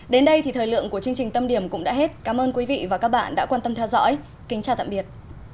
đến đây thì thời lượng của chương trình tâm điểm cũng đã hết cảm ơn quý vị và các bạn đã quan tâm theo dõi kính chào tạm biệt